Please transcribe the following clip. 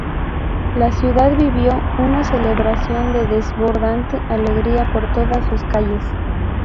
La ciudad vivió una celebración de desbordante alegría por todas sus calles.